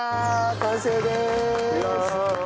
完成でーす！